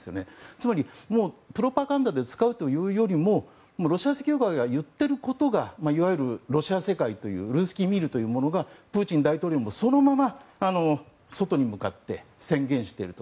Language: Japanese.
つまり、もうプロパガンダで使うというよりもロシア正教会が言っていることがいわゆるロシア世界ルースキー・ミールというものがプーチン大統領もそのまま外に向かって宣言していると。